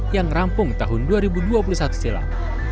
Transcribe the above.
yang rampung tahun dua ribu dua puluh satu silam